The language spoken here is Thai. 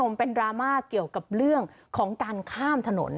มันเป็นดราม่าเกี่ยวกับเรื่องของการข้ามถนน